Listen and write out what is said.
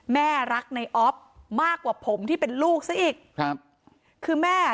แม่รักในออฟมากกว่าผมที่เป็นลูกซะอีกครับคือแม่อ่ะ